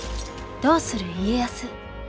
「どうする家康」。